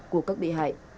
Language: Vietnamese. của các bị hại